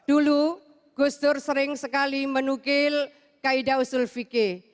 dulu gus dur sering sekali menukil kaidah usul fikir